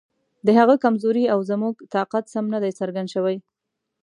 د هغه کمزوري او زموږ طاقت سم نه دی څرګند شوی.